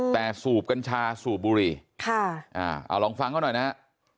แต่สูบกัญชาสูบบุหรี่เอาลองฟังเขาหน่อยนะฮะ